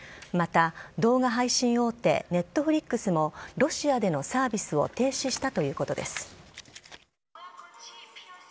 また、動画配信大手ネットフリックスも、ロシアでのサービスを停止したということです。